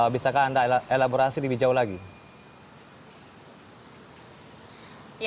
bisakah anda elaborasi lebih jauh lagi